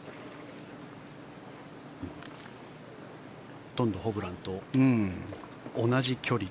ほとんどホブランと同じ距離。